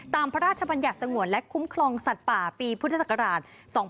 ตามพระราชบัญญาติสงวนและคุ้มครองสัตว์ป่าปีพศ๒๕๓๕